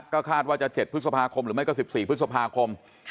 ก็คาดว่าจะ๗พฤษภาคมหรือไม่ก็๑๔พฤษภาคม